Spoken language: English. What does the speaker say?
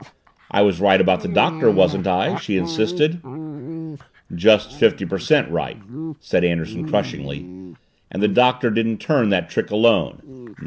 "I was right about the Doctor, wasn't I?" she insisted. "Just fifty per cent right," said Anderson crushingly. "And the Doctor didn't turn that trick alone.